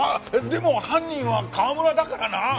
でも犯人は川村だからな！？